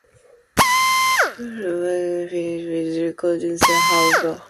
Melville was not finished with record-setting, however.